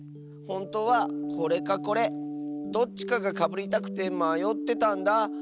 ほんとうはこれかこれどっちかがかぶりたくてまよってたんだ。